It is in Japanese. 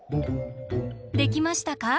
できましたか？